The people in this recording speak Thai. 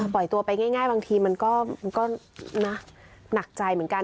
ปล่อยตัวไปง่ายบางทีมันก็หนักใจเหมือนกัน